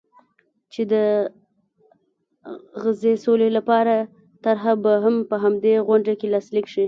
چې د غزې سولې لپاره طرحه به هم په همدې غونډه کې لاسلیک شي.